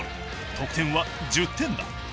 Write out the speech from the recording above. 得点は１０点だ！